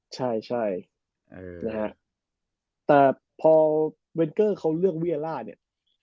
ใช่ใช่นะฮะแต่พอเวนเกอร์เขาเลือกเวียล่าเนี่ย